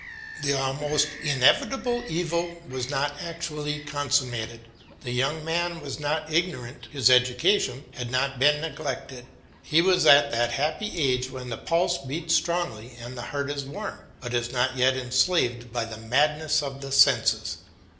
The almost inevitable evil was not actually consummated. The young man was not ignorant, his education had not been neglected. He was at that happy age when the pulse beats strongly and the heart is warm, but is not yet enslaved by the madness of the senses.